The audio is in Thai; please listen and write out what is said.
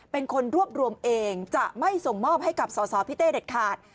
เป็นคนรวบรวมเองจะไม่ส่งมอบให้กับสอสอพี่เต้เด็ดขาด